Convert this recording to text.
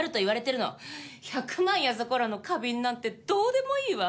１００万やそこらの花瓶なんてどうでもいいわ。